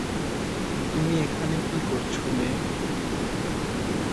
তুমি এখানে কি করছ, মেয়ে?